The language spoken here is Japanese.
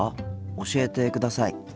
教えてください。